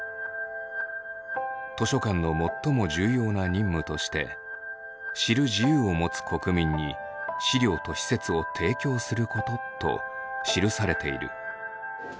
図書館の最も重要な任務として「知る自由をもつ国民に資料と施設を提供すること」と記されている。